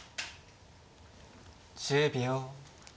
１０秒。